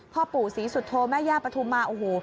พ่อปู่ศรีสุโธแม่ย่าปฐุมมาโอ้โห